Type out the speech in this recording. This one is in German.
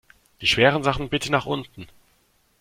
Die schweren Sachen bitte nach unten!